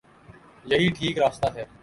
یہی ٹھیک راستہ ہے۔